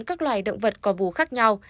các loài động vật có vù khác nhau